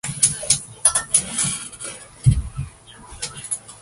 Its Middle Chinese pronunciation has been reconstructed as "Trjang".